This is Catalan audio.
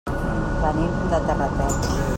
Venim de Terrateig.